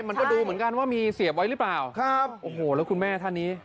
มันก็ดูเหมือนกันว่ามีเสียบไว้หรือเปล่าครับโอ้โหแล้วคุณแม่ท่านนี้